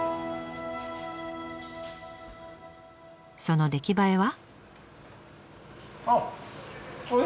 その出来栄えは。